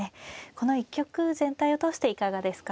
この一局全体を通していかがですか。